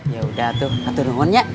yaudah tuh katunuhun ya